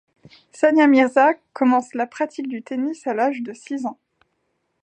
Sania Mirza commence la pratique du tennis à l'âge de six ans.